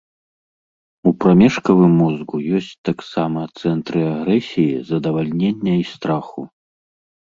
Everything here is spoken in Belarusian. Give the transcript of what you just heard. У прамежкавым мозгу ёсць таксама цэнтры агрэсіі, задавальнення і страху.